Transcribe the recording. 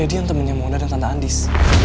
lady yang temennya mona dan tante andis